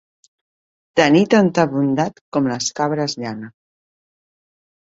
Tenir tanta bondat com les cabres llana.